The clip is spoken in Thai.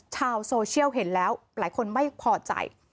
ชาวโซเชียลเห็นแล้วหลายคนไม่พอใจ